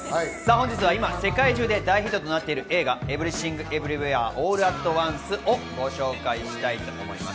本日は今、世界中で大ヒットとなっている映画『エブリシング・エブリウェア・オール・アット・ワンス』をご紹介します。